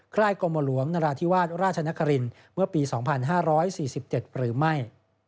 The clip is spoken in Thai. ค่ายกรมหลวงนราธิวาสราชนครินเมื่อปี๒๕๔๗หรือไม่